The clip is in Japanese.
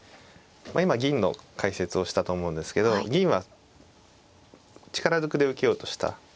まあ今銀の解説をしたと思うんですけど銀は力ずくで受けようとした